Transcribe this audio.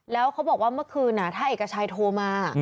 แล้วเขาบอกว่าเมื่อคืนถ้าเอกชัยโทรมา